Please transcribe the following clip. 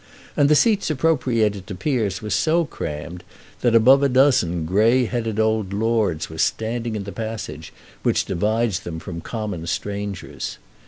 And the seats appropriated to peers were so crammed that above a dozen grey headed old lords were standing in the passage which divides them from the common strangers.